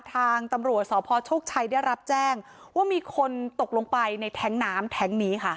ทางตำรวจสพโชคชัยได้รับแจ้งว่ามีคนตกลงไปในแท้งน้ำแท้งนี้ค่ะ